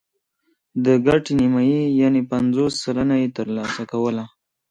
د ګټې نیمايي یعنې پنځوس سلنه یې ترلاسه کوله.